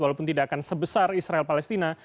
walaupun tidak akan sebesar israel palestina